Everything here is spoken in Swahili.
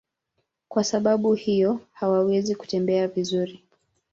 Kwa sababu hiyo hawawezi kutembea vizuri.